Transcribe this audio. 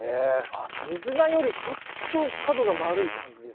あっミズナよりちょっと角が丸い感じです。